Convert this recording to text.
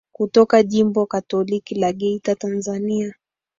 kutoka Jimbo Katoliki la Geita Tanzania